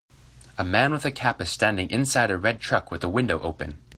A man with a cap is standing inside a red truck with the window open.